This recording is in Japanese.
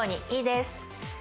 いいです。